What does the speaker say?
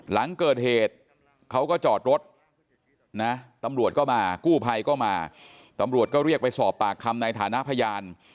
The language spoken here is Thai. หลังเกิดเหตุเขาก็จอดรถนะตำรวจก็มากู้ภัยก็มาตำรวจก็เรียกไปสอบปากคำในฐานะพยาน